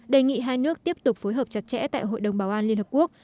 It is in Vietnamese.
đề nghị hai nước tiếp tục phối hợp chặt chẽ tại hội đồng bảo an liên hợp quốc